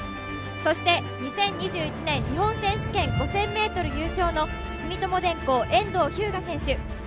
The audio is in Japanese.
そして２０２１年、日本選手権５０００ｍ優勝の住友電工・遠藤日向選手。